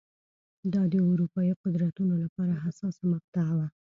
دا د اروپايي قدرتونو لپاره حساسه مقطعه وه.